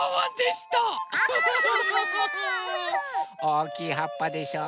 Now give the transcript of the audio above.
おおきいはっぱでしょ。